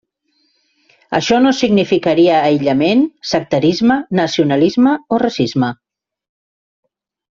Això no significaria aïllament, sectarisme, nacionalisme o racisme.